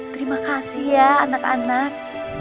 terima kasih ya anak anak